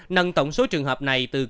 nâng tổng số trường hợp này từ bốn ca tử vong